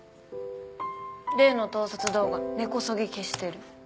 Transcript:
例の盗撮動画根こそぎ消してる。